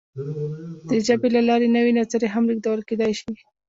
د ژبې له لارې نوې نظریې هم لېږدول کېدی شي.